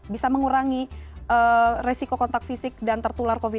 bisa mengurangi resiko kontak fisik dan tertular covid sembilan belas